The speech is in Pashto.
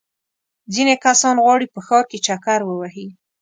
ځینې کسان غواړي په ښار کې چکر ووهي.